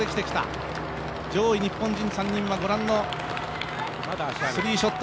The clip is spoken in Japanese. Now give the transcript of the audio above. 上位、日本人３人はご覧のスリーショット。